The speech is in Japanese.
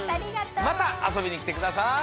またあそびにきてください！